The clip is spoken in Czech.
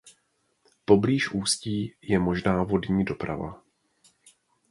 Poblíž ústí je možná vodní doprava.